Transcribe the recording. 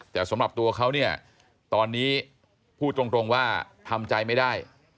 แต่สำหรับตัวเขาเนี่ยตอนนี้พูดตรงว่าทำใจไม่ได้